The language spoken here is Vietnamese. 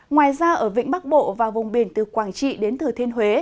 ngoài ra ở vĩnh bắc bộ và vùng biển từ quảng trị đến thừa thiên huế